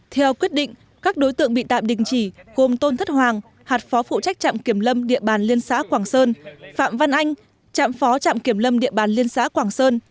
theo quyết định các đối tượng bị tạm đình chỉ gồm tôn thất hoàng hạt phó phụ trách trạm kiểm lâm địa bàn liên xã quảng sơn phạm văn anh trạm phó trạm kiểm lâm địa bàn liên xã quảng sơn